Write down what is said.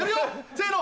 せの。